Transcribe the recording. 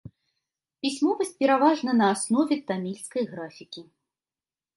Пісьмовасць пераважна на аснове тамільскай графікі.